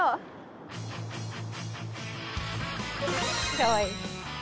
かわいい。